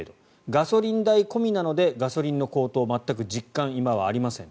ガソリン代込みなのでガソリンの高騰全く実感、今はありません。